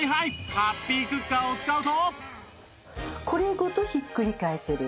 ハッピークッカーを使うと